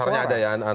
dasarnya ada ya